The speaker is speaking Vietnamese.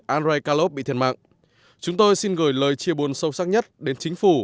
andrei kalov bị thiệt mạng chúng tôi xin gửi lời chia buồn sâu sắc nhất đến chính phủ